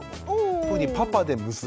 特にパパで娘。